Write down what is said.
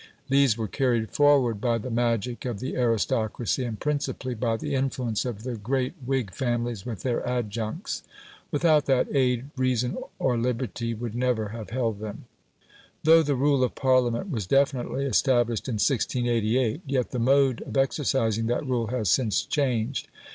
These were carried forward by the magic of the aristocracy and principally by the influence of the great Whig families with their adjuncts. Without that aid reason or liberty would never have held them. Though the rule of Parliament was definitely established in 1688, yet the mode of exercising that rule has since changed.